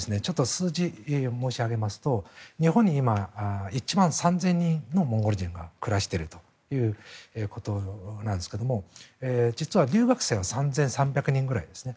そこでちょっと数字を申し上げますと日本に今、１万３０００人のモンゴル人が暮らしているということなんですが実は、留学生は３３００人ぐらいですね。